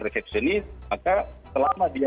resepsionis maka selama dia